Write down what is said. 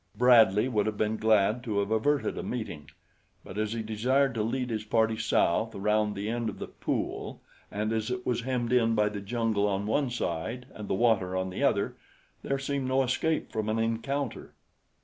Bradley would have been glad to have averted a meeting; but as he desired to lead his party south around the end of the pool, and as it was hemmed in by the jungle on one side and the water on the other, there seemed no escape from an encounter.